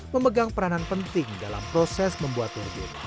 memegang peranan penting dalam proses membuat turbin